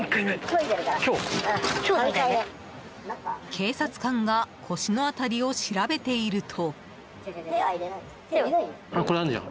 警察官が腰の辺りを調べていると。